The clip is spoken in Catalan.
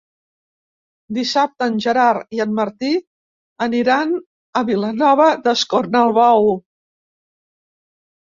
Dissabte en Gerard i en Martí aniran a Vilanova d'Escornalbou.